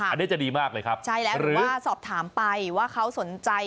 อันนี้จะดีมากเลยครับใช่แล้วหรือว่าสอบถามไปว่าเขาสนใจ